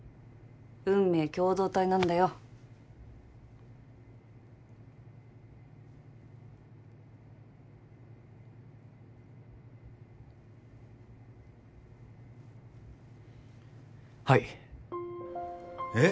運命共同体なんだよはいえっ？